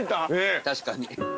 確かに。